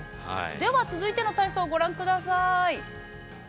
◆では続いての体操ご覧ください。